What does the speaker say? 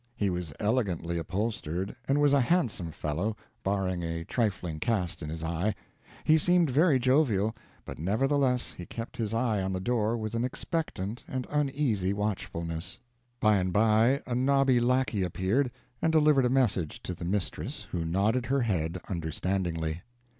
He was elegantly upholstered, and was a handsome fellow, barring a trifling cast in his eye. He seemed very jovial, but nevertheless he kept his eye on the door with an expectant and uneasy watchfulness. By and by a nobby lackey appeared, and delivered a message to the mistress, who nodded her head understandingly.